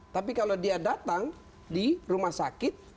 tapi kalau dia datang di rumah sakit